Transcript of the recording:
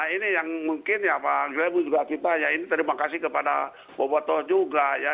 ini yang mungkin ya pak green juga kita ya ini terima kasih kepada bobotoh juga ya